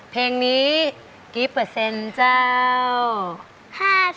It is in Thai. เพลงนี้กี่เปอร์เซ็นต์เจ้า